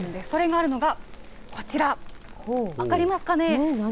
それがあるのが、こちら、分かりますかね。